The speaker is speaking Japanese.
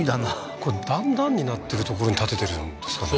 これ段々になってる所に建ててるんですかね？